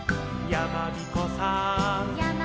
「やまびこさん」